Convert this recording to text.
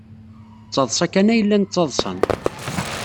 D taḍsa kan ay llan ttaḍsan.